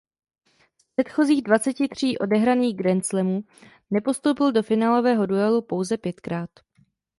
Z předchozích dvaceti tří odehraných grandslamů nepostoupil do finálového duelu pouze pětkrát.